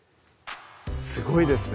すごいですね